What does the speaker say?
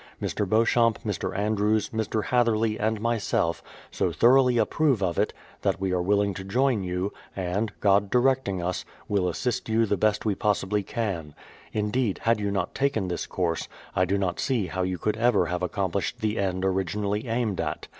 Mr. Beauchamp, Mr. Andrews, Mr. Hatherley, and myself so thoroughly approve of it, that we are willing to join you, and, God directing us, will assist you the best we possibly can. Indeed, had you not taken this course, I do not see how you could ever have accomplished the end originally aimed at.